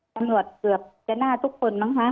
ตำรวจเกือบจะหน้าทุกคนมั้งคะ